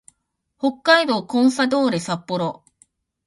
北海道コンサドーレ札幌